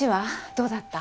どうだった？